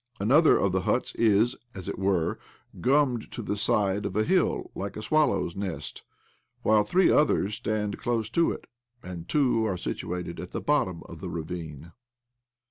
Another of the huts is, as it were, gummed to the side of a hill, like a swallow's nest, while three others stand close beside it, and two are situated at the bottom of the ravine.